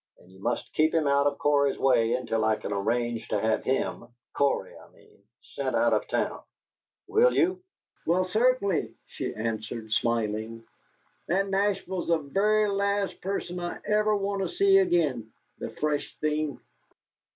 And you must keep him out of Cory's way until I can arrange to have him Cory, I mean sent out of town. Will you?" "Why, cert'nly," she answered, smiling. "That Nashville's the vurry last person I ever want to see again the fresh thing!"